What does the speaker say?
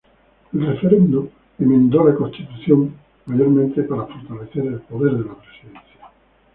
El referendo enmendó la Constitución mayormente para fortalecer el poder de la presidencia.